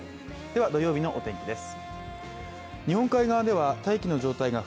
では土曜日のお天気です。